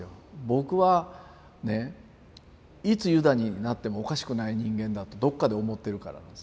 僕はいつユダになってもおかしくない人間だとどっかで思ってるからなんですね。